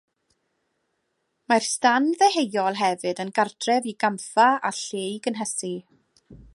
Mae'r Stand Ddeheuol hefyd yn gartref i gampfa a lle i gynhesu.